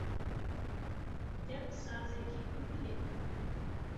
دەف سازێکی کوردییە